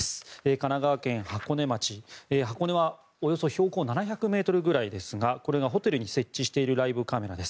神奈川県箱根町、箱根は標高およそ７００ｍくらいですがこれがホテルに設置しているライブカメラです。